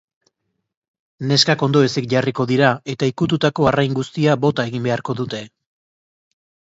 Neskak ondoezik jarriko dira eta ikututako arrain guztia bota egin beharko dute.